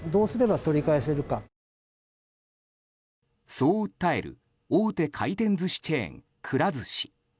そう訴える大手回転寿司チェーンくら寿司。